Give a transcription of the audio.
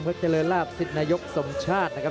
เพื่อเจรสราเล็กศิลปนกสมชาตินะครับ